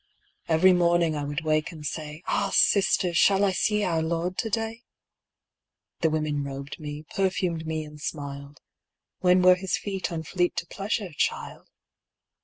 Every morning I would wake and say : "Ah, sisters, shall I see our Lord to day?" The women robed me, perfumed me, and smiled; "When were his feet unfleet to pleasure, child?"